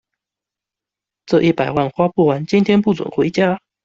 這一百萬花不完，今晚不准回家